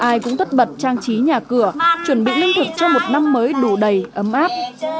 ai cũng tất bật trang trí nhà cửa chuẩn bị lương thực cho một năm mới đủ đầy ấm áp